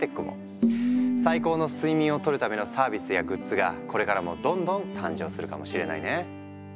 最高の睡眠をとるためのサービスやグッズがこれからもどんどん誕生するかもしれないね。